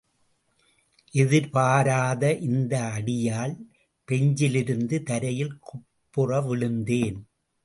எதிர்பாராத இந்த அடியால் பெஞ்சிலிருந்து தரையில் குப்புற விழுந்தேன்.